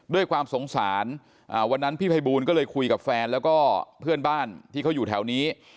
ด้วยความสงสารวันนั้นพี่ภัยบูลก็เลยคุยกับแฟนแล้วก็เพื่อนบ้านที่เขาอยู่แถวนี้